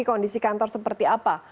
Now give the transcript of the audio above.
kondisi kantor seperti apa